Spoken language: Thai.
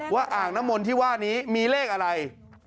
อ่างน้ำมนต์ที่ว่านี้มีเลขอะไร